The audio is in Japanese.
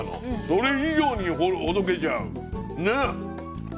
それ以上にほどけちゃうね。